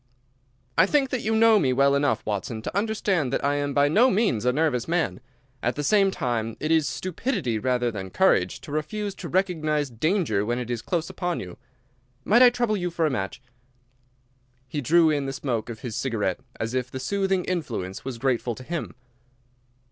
"I think that you know me well enough, Watson, to understand that I am by no means a nervous man. At the same time, it is stupidity rather than courage to refuse to recognise danger when it is close upon you. Might I trouble you for a match?" He drew in the smoke of his cigarette as if the soothing influence was grateful to him.